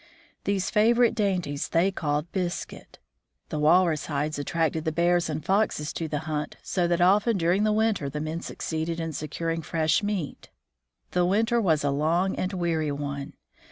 These favorite dainties they called biscuit. The walrus hides attracted the bears and foxes to the hut, so that often during the winter the men succeeded in securing fresh meat. The winter was a long and weary one.